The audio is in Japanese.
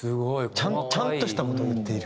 ちゃんとした事を言っている。